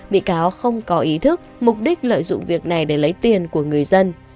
bị cáo không có ý thức mục đích lợi dụng việc này để lấy tiền của người dân